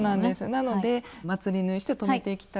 なのでまつり縫いして留めていきたいと思います。